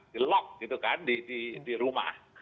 di lock gitu kan di rumah